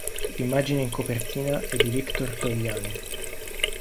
L'immagine in copertina è di Victor Togliani.